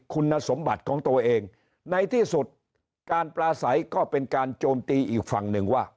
คุณสมบัติของตัวเองในที่สุดการปลาใสก็เป็นการโจมตีอีกฝั่งหนึ่งว่า